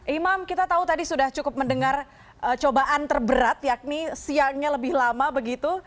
imam kita tahu tadi sudah cukup mendengar cobaan terberat yakni siangnya lebih lama begitu